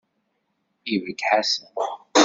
Ibedd Ḥasan.